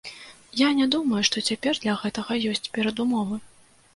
Я не думаю, што цяпер для гэтага ёсць перадумовы.